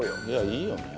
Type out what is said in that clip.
いいよね。